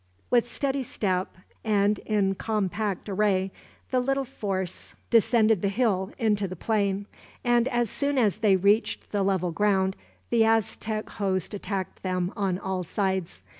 With steady step and in compact array, the little force descended the hill into the plain; and as soon as they reached the level ground, the Aztec host attacked them, on all sides.